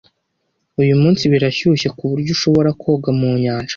Uyu munsi birashyushye kuburyo ushobora koga mu nyanja.